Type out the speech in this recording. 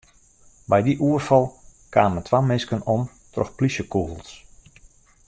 By dy oerfal kamen twa minsken om troch plysjekûgels.